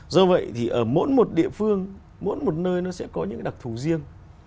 do vậy ở mỗi một địa phương mỗi một nơi sẽ có những đặc thù riêng